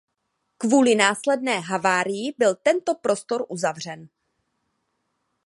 Kvůli následné havárii byl tento prostor uzavřen.